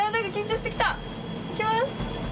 いきます。